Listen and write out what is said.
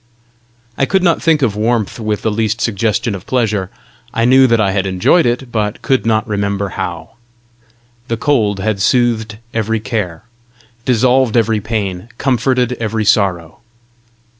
I could not think of warmth with the least suggestion of pleasure. I knew that I had enjoyed it, but could not remember how. The cold had soothed every care, dissolved every pain, comforted every sorrow.